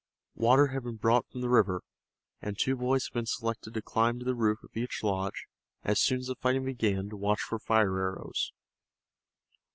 Water had been brought from the river, and two boys had been selected to climb to the roof of each lodge as soon as the fighting began to watch for fire arrows.